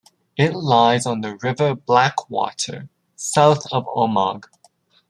It lies on the River Blackwater, south of Omagh.